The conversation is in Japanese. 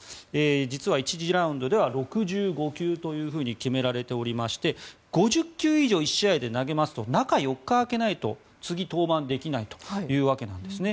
実は１次ラウンドでは６５球と決められていまして５０球以上１試合で投げますと中４日空けないと次、登板できないというわけなんですね。